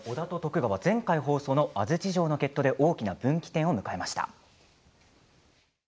織田と徳川が前回、放送の安土城の決闘では大きな分岐点を迎えました。